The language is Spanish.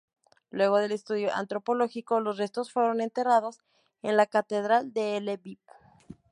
Luego del estudio antropológico, los restos fueron enterrados en la Catedral de Lviv.